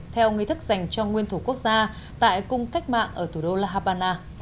theo nghi thức dành cho nguyên thủ quốc gia tại cung cách mạng ở thủ đô la habana